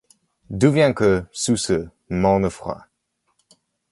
D'où vient que, sous ce. morne effroi